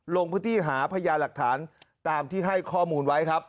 ลงพื้นที่หาพยาหลักฐานตามที่ให้ข้อมูลไว้ครับ